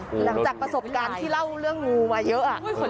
หลังจากประสบการณ์ที่เล่าเรื่องงูมาเยอะ